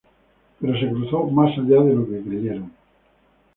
Pero se cruzó más allá de lo que creyeron.